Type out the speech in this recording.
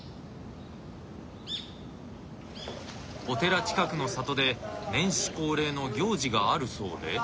お寺近くの里で年始恒例の行事があるそうで。